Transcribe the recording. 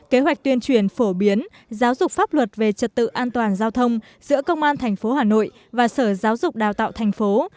kế hoạch tuyên truyền phổ biến giáo dục pháp luật về trật tự an toàn giao thông giữa công an tp hà nội và sở giáo dục đào tạo thành phố